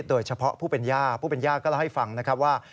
โดยเฉพาะผู้เป็นย่าผู้เป็นย่าก็เล่าให้ฟังนะครับว่า